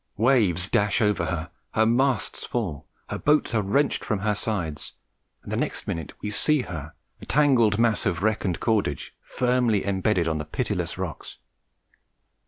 Waves dash over her, her masts fall, her boats are wrenched from her sides, and the next minute we see her, a tangled mass of wreck and cordage, firmly embedded on the pitiless rocks.